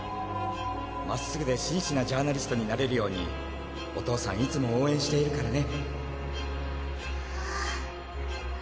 まっすぐで真摯なジャーナリストになれるようにお父さんいつも応援しているからね」。